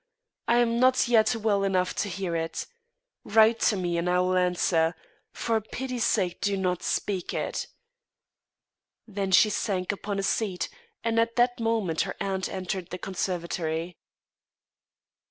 I am not yet well enough to hear it. Write to me and I will answer. For pity's sake do not speak it." Then she sank upon a seat and at that moment her aunt entered the conservatory.